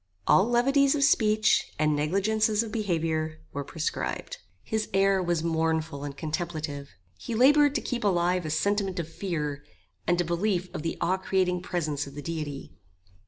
All levities of speech, and negligences of behaviour, were proscribed. His air was mournful and contemplative. He laboured to keep alive a sentiment of fear, and a belief of the awe creating presence of the Deity.